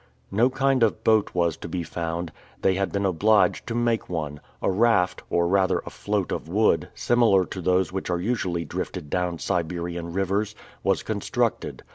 No kind of boat was to be found; they had been obliged to make one; a raft, or rather a float of wood, similar to those which usually are drifted down Siberian rivers, was constructed.